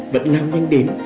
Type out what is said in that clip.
vẫn làm nhanh đến